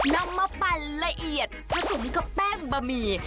นำมาปั่นละเอียดเพราะสุดนี้ก็แป้งบะหมี่